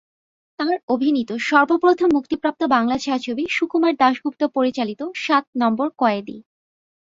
তাঁর অভিনীত সর্বপ্রথম মুক্তিপ্রাপ্ত বাংলা ছায়াছবি সুকুমার দাশগুপ্ত পরিচালিত সাত নম্বর কয়েদি।